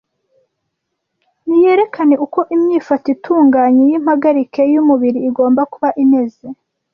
Niyerekane uko imyifato itunganye y’impagarike y’umubiri igomba kuba imeze